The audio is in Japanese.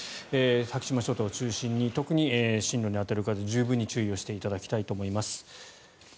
先島諸島を中心に特に進路に当たる方十分に注意していただきたいと思います。